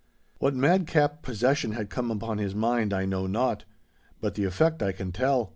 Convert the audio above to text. What madcap possession had come upon his mind, I know not. But the effect I can tell.